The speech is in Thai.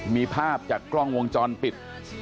มีภาพจากกล้องวงจรปิด